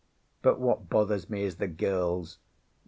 But what bothers me is the girls.